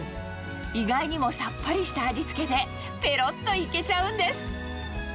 意外にもさっぱりした味付けで、ぺろっといけちゃうんです。